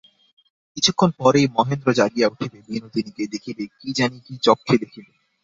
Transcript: কিছুক্ষণ পরেই মহেন্দ্র জাগিয়া উঠিবে, বিনোদিনীকে দেখিবে–কী জানি কী চক্ষে দেখিবে।